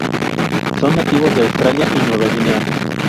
Son nativos de Australia y Nueva Guinea.